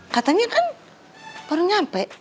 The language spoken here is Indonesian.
katanya kan baru nyampe